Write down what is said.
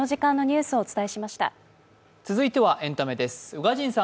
続いてはエンタメです。